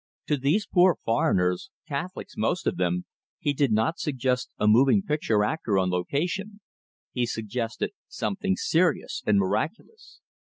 To these poor foreigners, Catholics most of them, he did not suggest a moving picture actor on location; he suggested something serious and miraculous.